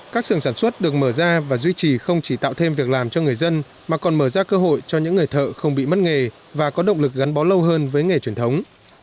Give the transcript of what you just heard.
các xưởng sản xuất được mở ra và duy trì không chỉ tạo thêm việc làm cho người dân mà còn mở ra cơ hội cho những người thợ không bị mất nghề và có động lực gắn bó lâu hơn với nghề truyền thống